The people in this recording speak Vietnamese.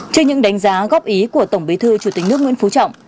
trên những đánh giá góp ý của tổng bí thư chủ tịch nước nguyễn phú trọng